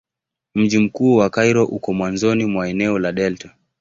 Mji mkuu wa Kairo uko mwanzoni mwa eneo la delta.